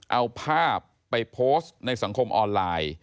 เอาภาพไปโพสต์ในสังคมออนไลน์